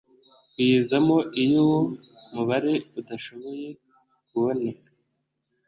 kuyizamo Iyo uwo mubare udashoboye kuboneka